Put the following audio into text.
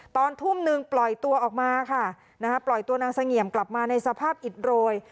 ตอนทุ่มหนึ่งปล่อยตัวออกมาค่ะปล่อยตัวนางเสงี่ยมกลับมาในสภาพอิดโรย